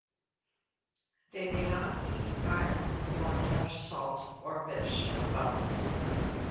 They may not eat iron nor touch salt or fish with bones.